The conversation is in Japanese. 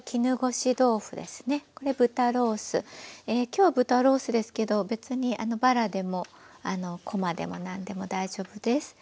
今日は豚ロースですけど別にばらでもこまでも何でも大丈夫です。